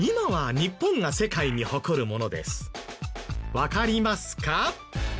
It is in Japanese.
わかりますか？